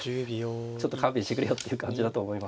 ちょっと勘弁してくれよっていう感じだと思います